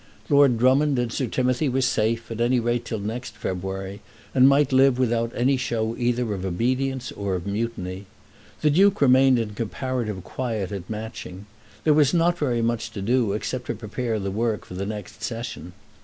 Lord Drummond and Sir Timothy were safe, at any rate, till next February, and might live without any show either of obedience or mutiny. The Duke remained in comparative quiet at Matching. There was not very much to do, except to prepare the work for the next Session.